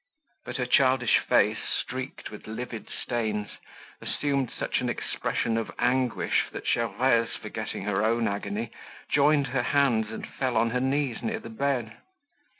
But her childish face, streaked with livid stains, assumed such an expression of anguish that Gervaise, forgetting her own agony, joined her hands and fell on her knees near the bed.